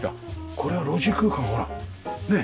これは路地空間をほらねっ。